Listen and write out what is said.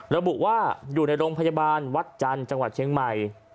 ระบุว่าอยู่ในโรงพยาบาลวัดจันทร์จังหวัดเชียงใหม่